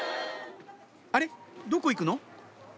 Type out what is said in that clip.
あれっどこ行くの？